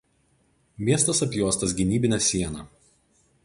Miestas apjuostas gynybine siena.